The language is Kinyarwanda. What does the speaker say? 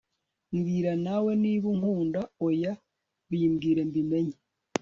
mbwira nawe niba unkunda oya bimbwire mbimenye